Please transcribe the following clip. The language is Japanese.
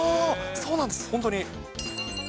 そうなんです、本当に。